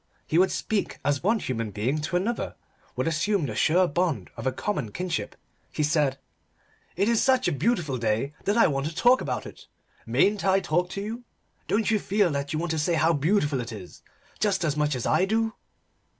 He would speak as one human being to another would assume the sure bond of a common kinship. He said "It is such a beautiful day that I want to talk about it! Mayn't I talk to you? Don't you feel that you want to say how beautiful it is just as much as I do?"